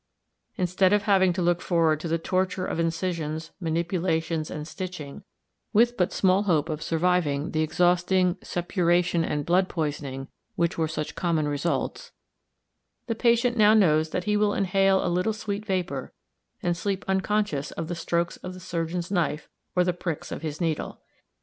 Instead of having to look forward to the torture of incisions, manipulations, and stitching, with but small hope of surviving the exhausting suppuration and blood poisoning which were such common results, the patient now knows that he will inhale a little sweet vapour, and sleep unconscious of the strokes of the surgeon's knife or the pricks of his needle.